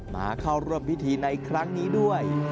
มาเข้าร่วมพิธีในครั้งนี้ด้วย